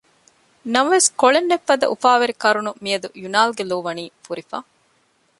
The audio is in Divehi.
ނަމަވެސް ކޮޅެއް ނެތްފަދަ އުފާވެރި ކަރުނުން މިއަދު ޔުނާލްގެ ލޯ ވަނީ ފުރިފަ